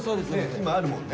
今あるもんね。